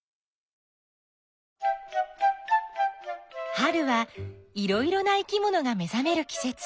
春はいろいろな生きものが目ざめるきせつ。